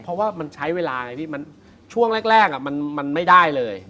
เพราะว่ามันใช้เวลาไงพี่มันช่วงแรกมันไม่ได้เลย